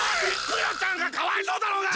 クヨちゃんがかわいそうだろうが！